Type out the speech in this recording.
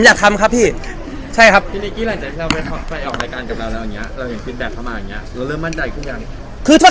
เออจับมือมีครับพี่มีจับมือครับ